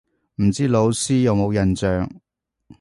唔知老師有冇印象